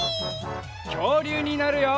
きょうりゅうになるよ！